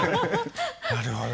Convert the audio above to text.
なるほど。